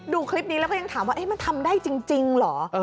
ดูคลิปนี้แล้วก็ยังถามว่ามันทำได้จริงเหรอ